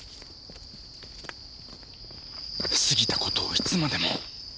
過ぎた事をいつまでも。